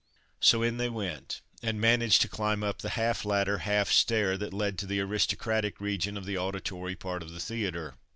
So in they went and managed to climb up the half ladder, half stair, that led to the "aristocratic" region of the auditory part of the theatre.